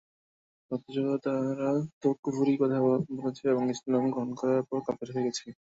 অথচ তারা তো কুফুরী কথা বলেছে এবং ইসলাম গ্রহণ করার পর কাফের হয়ে গেছে।